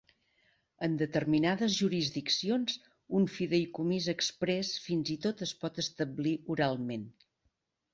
En determinades jurisdiccions, un fideïcomís exprés fins i tot es pot establir oralment.